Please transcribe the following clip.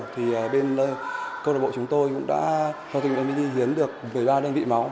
thì bên câu đồng bộ chúng tôi cũng đã theo tình nguyện viên hiến được về ba đơn vị máu